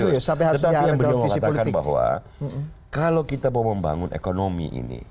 tetapi yang benar benar katakan bahwa kalau kita mau membangun ekonomi ini